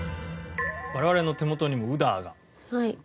我々の手元にもウダーが。